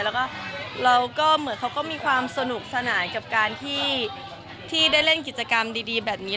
แล้วก็เราก็เหมือนเขาก็มีความสนุกสนานกับการที่ได้เล่นกิจกรรมดีแบบนี้